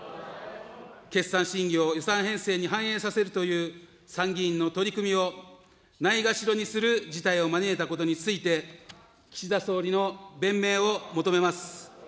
決算審議を予算編成に反映させるという参議院の取り組みをないがしろにする事態を招いたことについて、岸田総理の弁明を求めます。